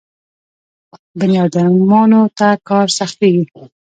بني ادمانو ته کار سختېږي.